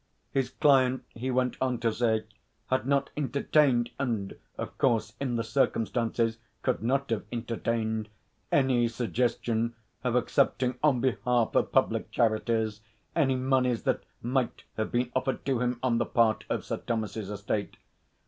His client, he went on to say, had not entertained, and, of course, in the circumstances could not have entertained, any suggestion of accepting on behalf of public charities any moneys that might have been offered to him on the part of Sir Thomas's estate.